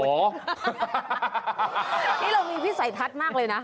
นี่เรามีวิสัยทัศน์มากเลยนะ